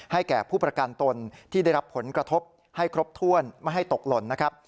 แก่ผู้ประกันตนที่ได้รับผลกระทบให้ครบถ้วนไม่ให้ตกหล่นนะครับ